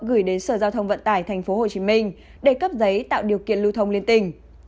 gửi đến sở giao thông vận tải tp hcm để cấp giấy tạo điều kiện lưu thông liên tỉnh